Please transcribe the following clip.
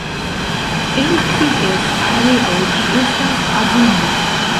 En ties areo ĝi estas abunda.